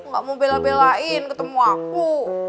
gak mau bela belain ketemu aku